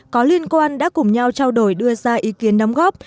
có liên quan đã cùng nhau trao đổi đưa ra ý kiến đóng góp